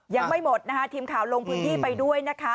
ยังไม่หมดนะคะทีมข่าวลงพื้นที่ไปด้วยนะคะ